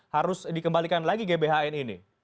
harus dikembalikan lagi gbhn ini